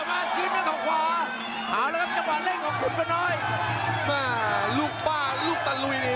กัดโดแตขุนบร้อยใต้